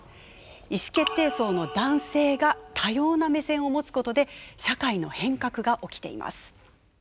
意思決定層の男性が多様な目線を持つことで社会の変革が起きています。